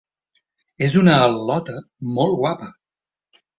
És una al•lota molt guapa